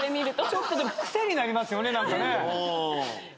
ちょっとでも癖になりますよね。